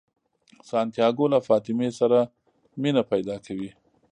سانتیاګو له فاطمې سره مینه پیدا کوي.